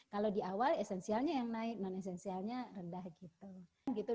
kalau di awal esensialnya yang naik non esensialnya rendah gitu